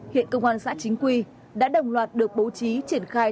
hiện công an xã chính quy đã đồng loạt được bố trí triển khai